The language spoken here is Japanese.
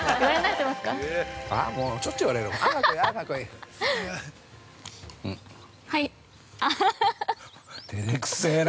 ◆てれくせな。